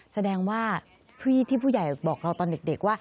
แสดงว่าพี่ที่ผู้ใหญ่บอกเราตอนเด็กว่า